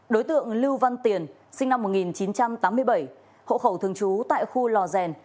đối tượng lưu văn tiền sinh năm một nghìn chín trăm tám mươi bảy hộ khẩu thường trú tại khu lò rèn